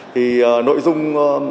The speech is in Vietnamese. thì nội dung